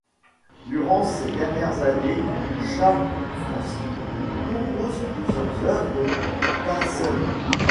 Durant ses dernières années, Chafranski compose plusieurs œuvres pour guitare seule.